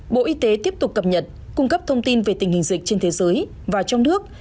bộ y tế tiếp tục cập nhật cung cấp thông tin về tình hình dịch trên thế giới và trong nước